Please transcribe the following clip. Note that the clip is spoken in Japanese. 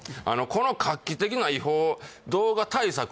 この画期的な違法動画対策はい